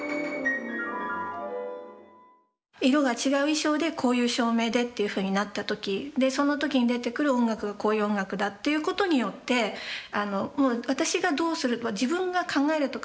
色が違う衣装でこういう照明でというふうになった時その時に出てくる音楽がこういう音楽だということによって私がどうする自分が考えるとかっていうのを超えて